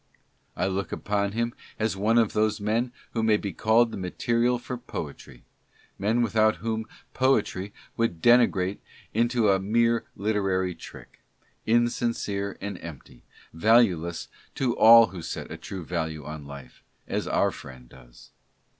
I look upon him as one of those men who may be called the material for poetry ; men without whom poetry would degenerate into a mere literary trick, insincere and empty, valueless to all who set a true value on life, as our friend does.